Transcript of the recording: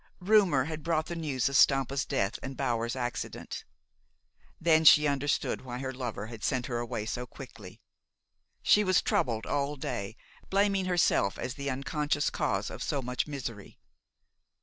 Rumor had brought the news of Stampa's death and Bower's accident. Then she understood why her lover had sent her away so quickly. She was troubled all day, blaming herself as the unconscious cause of so much misery.